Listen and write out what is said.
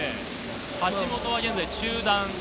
橋本は現在中段。